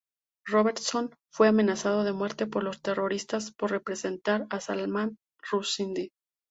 Robertson fue amenazado de muerte por los terroristas por representar a Salman Rushdie.